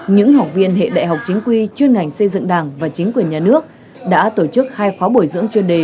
những học viên hệ đại học chính quy chuyên ngành xây dựng đảng và chính quyền nhà nước đã tổ chức hai khóa bồi dưỡng chuyên đề